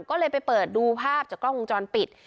ก็เลยไปเปิดดูภาพจากกล้องวงจรปิด